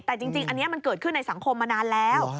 แต่จริงอันนี้มันเกิดขึ้นในสังคมมานานแล้ว